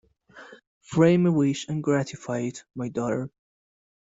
Frame a wish and gratify it, my daughter.